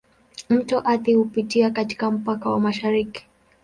Mto Athi hupitia katika mpaka wa mashariki.